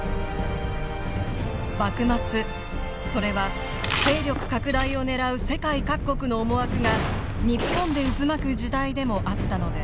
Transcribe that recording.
幕末それは勢力拡大をねらう世界各国の思惑が日本で渦巻く時代でもあったのです。